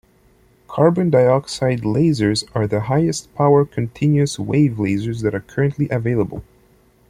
Carbon dioxide lasers are the highest-power continuous wave lasers that are currently available.